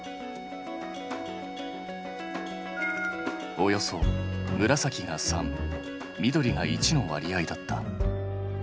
およそ紫が３緑が１の割合だった。